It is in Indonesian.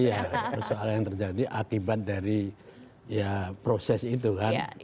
iya persoalan yang terjadi akibat dari ya proses itu kan